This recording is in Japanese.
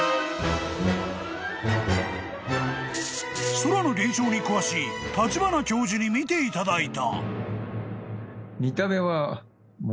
［空の現象に詳しい立花教授に見ていただいた］